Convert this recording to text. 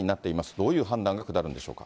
どういう判断が下るんでしょうか。